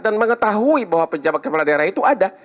dan mengetahui bahwa penjabat kepala daerah itu ada